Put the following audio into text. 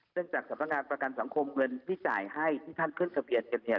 จากสำนักงานประกันสังคมเงินที่จ่ายให้ที่ท่านขึ้นทะเบียนกันเนี่ย